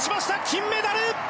金メダル！